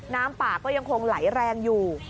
น้ำป่าก็ยังคงไหลแรงอยู่